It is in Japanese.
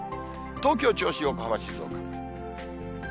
東京、銚子、横浜、静岡。